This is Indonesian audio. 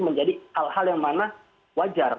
menjadi hal hal yang mana wajar